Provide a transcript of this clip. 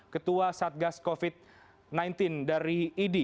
ketua satgas covid sembilan belas dari idi